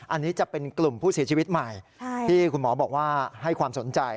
อันนี้จะเป็นกลุ่มผู้เสียชีวิตใหม่ที่คุณหมอบอกว่าให้ความสนใจ